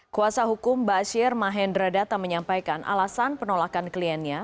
kuasa hukum bashir mahendra data menyampaikan alasan penolakan kliennya